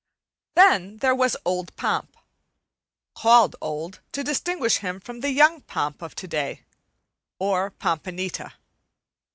Then there was old Pomp, called "old" to distinguish him from the young Pomp of to day, or "Pompanita."